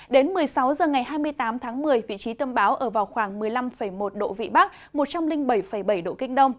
đến một mươi sáu h ngày hai mươi tám tháng một mươi vị trí tâm bão ở vào khoảng một mươi năm một độ vị bắc một trăm linh bảy bảy độ kinh đông